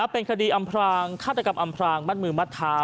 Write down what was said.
เป็นคดีอำพรางฆาตกรรมอำพรางมัดมือมัดเท้า